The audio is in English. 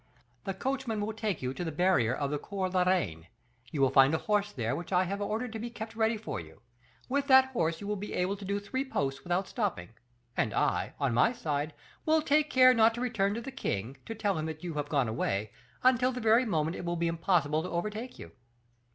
The coachman will take you to the barrier of the Cours la Reine; you will find a horse there which I have ordered to be kept ready for you; with that horse you will be able to do three posts without stopping; and I, on my side, will take care not to return to the king, to tell him that you have gone away, until the very moment it will be impossible to overtake you.